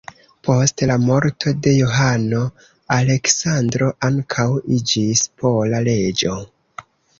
Post la morto de Johano, Aleksandro ankaŭ iĝis pola reĝo.